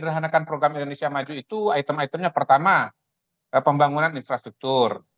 kalau saya kan menjadikan program indonesia maju itu item itemnya pertama pembangunan infrastruktur